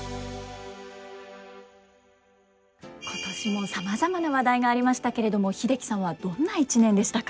今年もさまざまな話題がありましたけれども英樹さんはどんな一年でしたか？